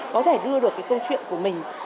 có thể đưa được câu chuyện của mình